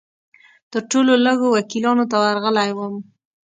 تر ټولو لږو وکیلانو ته ورغلی وم.